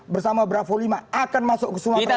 bersama bravo lima akan masuk ke sumatera